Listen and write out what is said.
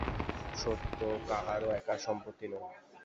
সত্য কাহারও একার সম্পত্তি নয়।